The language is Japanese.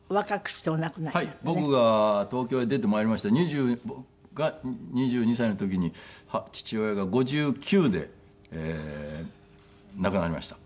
僕が東京へ出てまいりました２２歳の時に父親が５９で亡くなりました